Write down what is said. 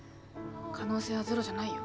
可能性はゼロじゃないよ。